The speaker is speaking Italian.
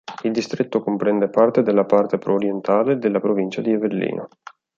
Il distretto comprende parte della parte orientale della provincia di Avellino.